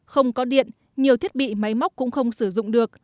không có điện nhiều thiết bị máy móc cũng không sử dụng được